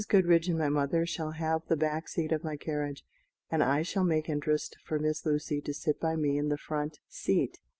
Goodriche and my mother shall have the back seat of my carriage, and I shall make interest for Miss Lucy to sit by me in the front seat."